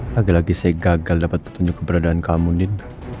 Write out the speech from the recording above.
lagi lagi saya gagal dapat petunjuk keberadaan kamu din